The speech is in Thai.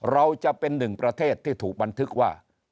เราจะเป็นหนึ่งประเทศที่ถูกบันทึกว่า